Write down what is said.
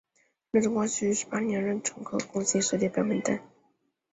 清德宗光绪十八年壬辰科贡士进士列表名单。